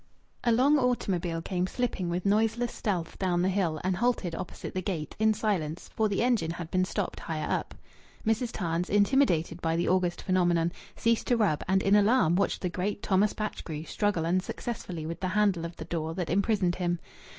A long automobile came slipping with noiseless stealth down the hill, and halted opposite the gate, in silence, for the engine had been stopped higher up. Mrs. Tams, intimidated by the august phenomenon, ceased to rub, and in alarm watched the great Thomas Batchgrew struggle unsuccessfully with the handle of the door that imprisoned him.